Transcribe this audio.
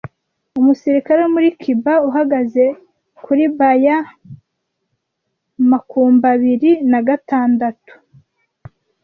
'umusirikare wo muri Cuba uhagaze kuri Ba ya makumbabiri nagatandatu